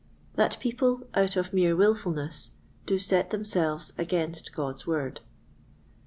That People, out of mere Wilfulness, do set themselves against God's Word.